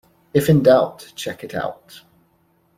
If in doubt, check it out.